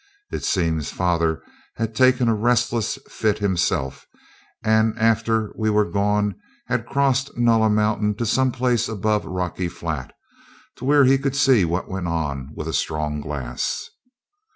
It seems father had taken a restless fit himself, and after we were gone had crossed Nulla Mountain to some place above Rocky Flat, to where he could see what went on with a strong glass.